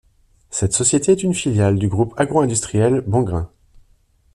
Cette société est une filiale du groupe agro-industriel Bongrain.